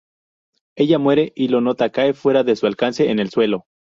Ella muere, y la nota cae fuera de su alcance en el suelo.